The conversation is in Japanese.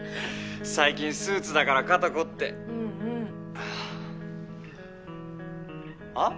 最近スーツだから肩凝ってうんうんあっ？